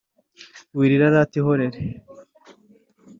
Wirira rata ihorere